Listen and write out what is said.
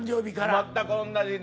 全く同じ日に。